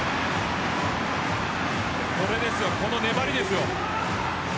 これですよ、この粘りですよ。